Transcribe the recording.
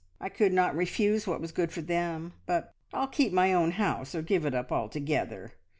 I could not refuse what was good for them, but I'll keep my own house, or give it up altogether!"